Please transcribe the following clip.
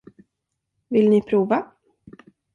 Vill ni prova?